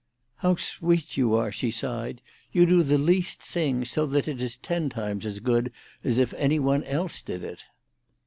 "How sweet you are!" she sighed. "You do the least thing so that it is ten times as good as if any one else did it."